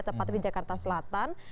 tepatnya di jakarta selatan